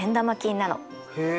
へえ